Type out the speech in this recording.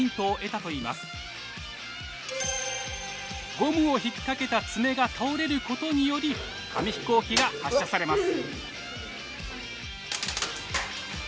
ゴムを引っ掛けたツメが倒れることにより紙飛行機が発射されます。